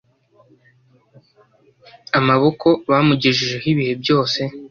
amaboko, bamugejejeho ibihe byose.